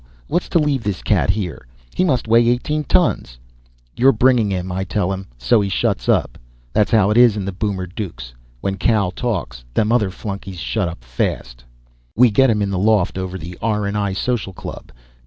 What's to leave this cat here? He must weigh eighteen tons." "You're bringing him," I tell him, so he shuts up. That's how it is in the Boomer Dukes. When Cow talks, them other flunkies shut up fast. We get him in the loft over the R. and I. Social Club.